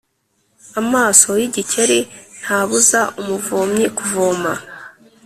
Amaso y’igikeri ntabuza umuvomyi kuvoma.